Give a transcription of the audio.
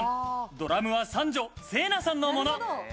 ドラムは三女・聖南さんのもの。